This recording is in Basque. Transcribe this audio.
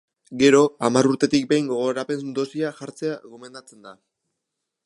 Gero, hamar urtetik behin gogorapen-dosia jartzea gomendatzen da.